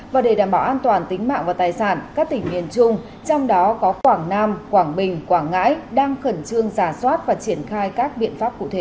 và để đảm bảo an toàn tính mạng và tài sản các tỉnh miền trung trong đó có quảng nam quảng bình quảng ngãi đang khẩn trương giả soát và triển khai các biện pháp cụ thể